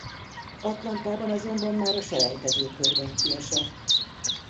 Atlantában azonban már a selejtezőkörben kiesett.